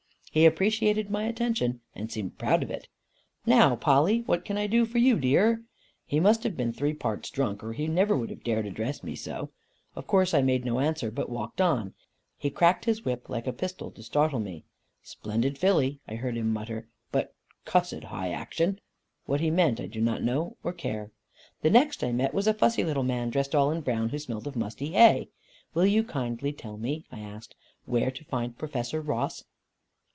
He appreciated my attention, and seemed proud of it. "Now, Polly, what can I do for you, dear?" He must have been three parts drunk, or he would never have dared to address me so. Of course I made no answer, but walked on. He cracked his whip like a pistol, to startle me. "Splendid filly," I heard him mutter, "but cussed high action." What he meant I do not know or care. The next I met was a fussy little man, dressed all in brown, who smelt of musty hay. "Will you kindly tell me," I asked, "where to find Professor Ross?